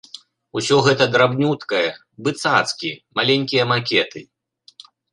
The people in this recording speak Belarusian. Усё гэта драбнюткае, бы цацкі, маленькія макеты.